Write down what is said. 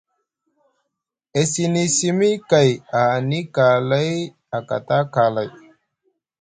E sini simi kay, ahani kaalay, a kata kaalay.